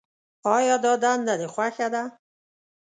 آیا دا دنده دې خوښه ده.